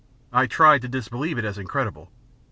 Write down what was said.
I tried to disbelieve it as incredible.